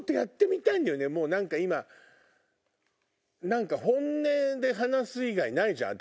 何か本音で話す以外ないじゃん